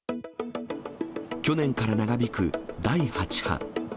去年から長引く第８波。